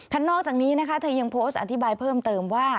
นอกจากนี้นะคะเธอยังโพสต์อธิบายเพิ่มเติมว่า